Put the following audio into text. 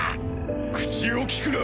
口を利くな！